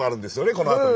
このあとに。